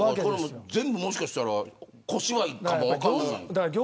全部、もしかしたら小芝居かも分からん。